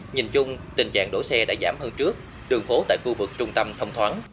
nhìn chung tình trạng đổ xe đã giảm hơn trước đường phố tại khu vực trung tâm thông thoáng